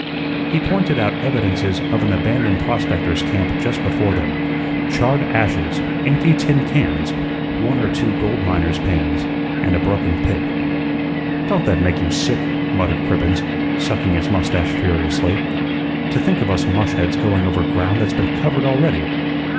He pointed out evidences of an abandoned prospector's camp just before them charred ashes, empty tin cans, one or two gold miner's pans, and a broken pick. "Don't that make you sick?" muttered Cribbens, sucking his mustache furiously. "To think of us mushheads going over ground that's been covered already!